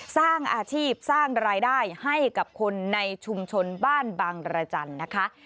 สร้างอาชีพสร้างรายได้ให้กับคนในชุมชนบ้านบางรจันทร์นะคะ